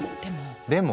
でも？